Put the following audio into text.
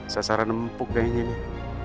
sasaran empuk kayaknya nih